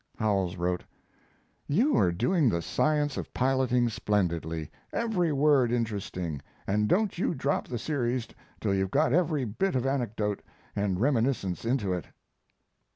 Howells wrote: You are doing the science of piloting splendidly. Every word interesting, and don't you drop the series till you've got every bit of anecdote and reminiscence into it.